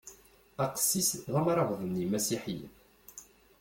Aqessis d amrabeḍ n yimasiḥiyen.